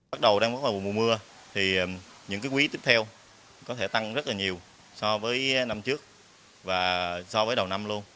bắt đầu đang có mùa mưa thì những quý tiếp theo có thể tăng rất nhiều so với năm trước và so với đầu năm luôn